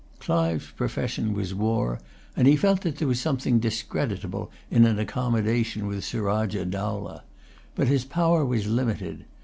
Clive's profession was war; and he felt that there was something discreditable in an accommodation with Surajah Dowlah. But his power was limited.